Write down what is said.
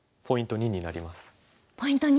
ポイント２。